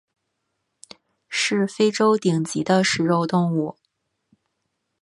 是非洲顶级的食肉动物。